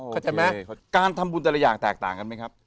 เข้าใจไหมการทำบุญแต่ละอย่างแตกต่างกันไหมครับ